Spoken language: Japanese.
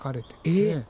えっ！